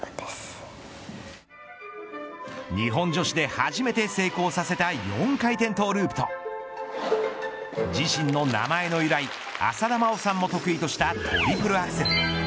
日本女子で初めて成功させた４回転トゥループと自身の名前の由来浅田真央さんも得意としたトリプルアクセル。